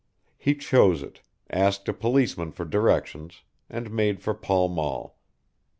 He chose it, asked a policeman for directions, and made for Pall Mall.